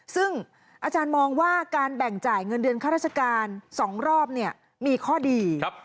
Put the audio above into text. ซึ่งอาจารย์มองว่าการแบ่งจ่ายเงินเดือนข้าราชการ๒รอบเนี่ยมีข้อดี